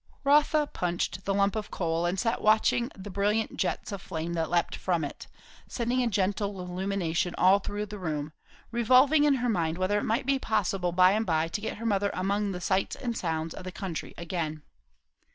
Rotha punched the lump of coal, and sat watching the brilliant jets of flame that leapt from it, sending a gentle illumination all through the room; revolving in her mind whether it might be possible by and by to get her mother among the sights and sounds of the country again.